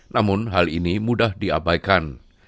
namun hal ini mudah diabaikan